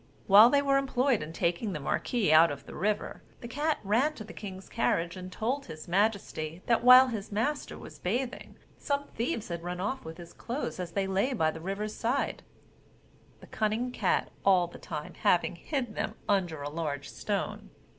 While they were employed in taking the marquis out of the river, the cat ran to the king's carriage, and told his majesty, that while his master was bathing, some thieves had run off with his clothes as they lay by the river's side; the cunning cat all the time having hid them under a large stone.